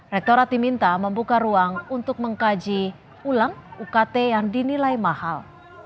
rektorat diminta membuka ruang untuk mengkaji ulang ukt yang dinilai mahal